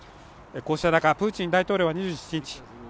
こうした中プーチン大統領は２７日